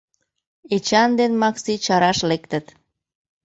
Эчан ден Макси чараш лектыт.